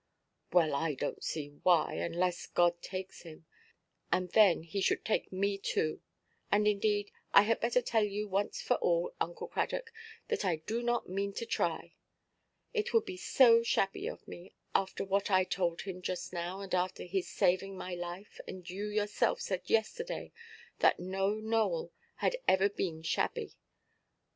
"Well, I donʼt see why, unless God takes him; and then He should take me too. And, indeed, I had better tell you once for all, Uncle Cradock, that I do not mean to try. It would be so shabby of me, after what I told him just now, and after his saving my life; and you yourself said yesterday that no Nowell had ever been shabby.